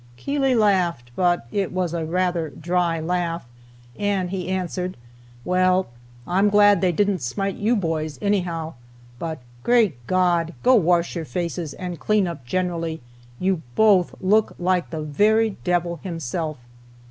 Keeley laughed, but it was a rather dry laugh, and he answered: "Well, I'm glad they didn't smite you boys, anyhow but, great God! go wash your faces, and clean up generally. You both look like the very devil himself."